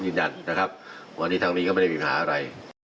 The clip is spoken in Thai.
ยืนยันนะครับวันนี้ทางนี้ก็ไม่ได้มีปัญหาอะไร